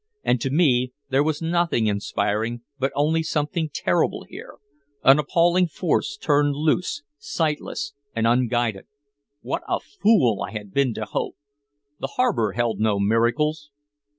And to me there was nothing inspiring but only something terrible here, an appalling force turned loose, sightless and unguided. What a fool I had been to hope. The harbor held no miracles.